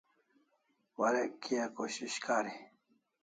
Warek kia khoshush kari